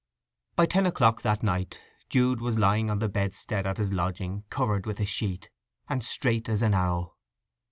By ten o'clock that night Jude was lying on the bedstead at his lodging covered with a sheet, and straight as an arrow.